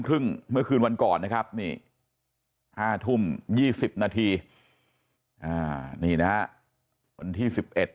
เมื่อคืนวันก่อนนะครับนี่๕ทุ่ม๒๐นาทีนี่นะฮะวันที่๑๑